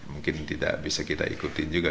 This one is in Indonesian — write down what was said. mungkin tidak bisa kita ikuti juga